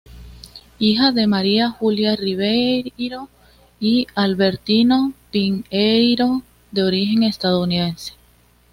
Hija de María Júlia Ribeiro y Albertino Pinheiro, de origen estadounidense.